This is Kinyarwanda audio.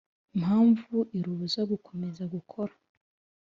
Mpamvu irubuza gukomeza gukora